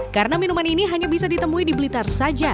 karena minuman ini hanya bisa ditemui di blitar saja